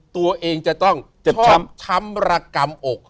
ตัวเองจะต้องช้อมช้ำระกรรมอก